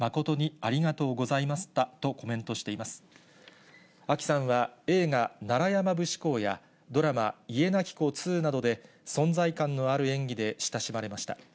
あきさんは映画、楢山節考や、ドラマ、家なき子２などで、存在感のある演技で親しまれました。